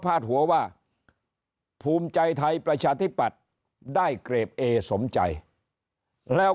หัวว่าภูมิใจไทยประชาธิปัตย์ได้เกรดเอสมใจแล้ว